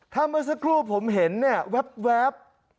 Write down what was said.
ถ้าเมื่อสักครู่ผมเห็นเนี่ยแว๊บ